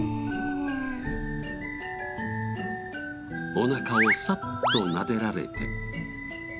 おなかをサッとなでられて。